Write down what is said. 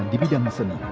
di bidang seni